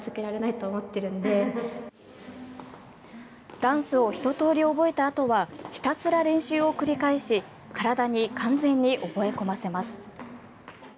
ダンスをひととおり覚えたあとはひたすら練習を繰り返し体に完全に覚え込ませます。